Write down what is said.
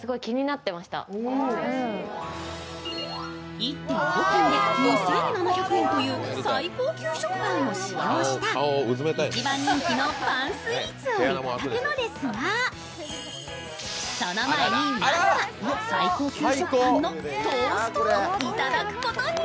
１．５斤で２７００円という最高級食パンを使用した一番人気のパンスイーツを頂くのですが、その前に最高級食パンのトーストを頂くことに。